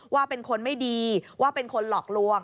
ว่าเป็นคนไม่ดีว่าเป็นคนหลอกลวง